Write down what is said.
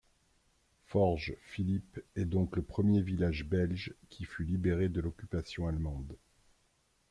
Forge-Philippe est donc le premier village belge qui fut libéré de l'occupation allemande.